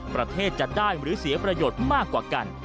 ประเทศจะได้หรือเสียประโยชน์มากกว่ากัน